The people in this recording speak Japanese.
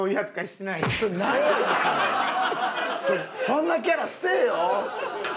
そんなキャラ捨てえよ！